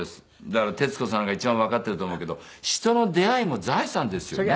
だから徹子さんが一番わかっていると思うけど人の出会いも財産ですよね。